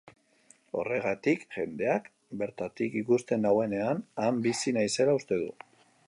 Horregatik, jendeak bertatik ikusten nauenean, han bizi naizela uste du.